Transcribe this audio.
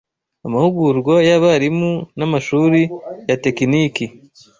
amahugurwa y'abarimu n'amashuri ya tekiniki